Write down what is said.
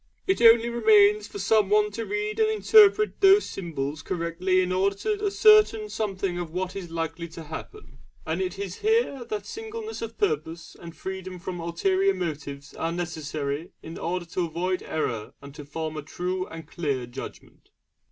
It only remains for someone to read and interpret these symbols correctly in order to ascertain something of what is likely to happen; and it is here that singleness of purpose and freedom from ulterior motives are necessary in order to avoid error and to form a true and clear judgment.